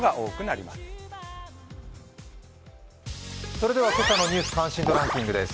それでは今朝の「ニュース関心度ランキング」です。